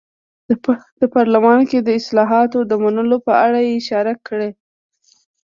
د پارلمان کې د اصلاحاتو د منلو په اړه یې اشاره کړې.